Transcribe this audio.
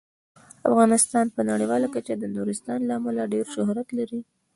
افغانستان په نړیواله کچه د نورستان له امله ډیر شهرت لري.